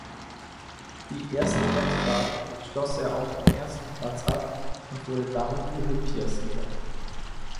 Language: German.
Die erste Wettfahrt schloss er auf dem ersten Platz ab und wurde damit Olympiasieger.